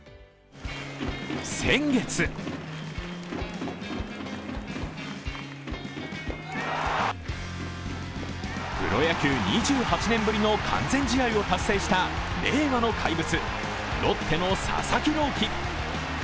先月、プロ野球２８年ぶりの完全試合を達成した令和の怪物・ロッテの佐々木朗希。